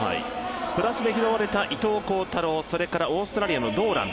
プラスで拾われた伊藤孝太郎、それからオーストラリアのドーラン